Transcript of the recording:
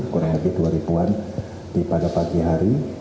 kurang lebih dua ribu an pada pagi hari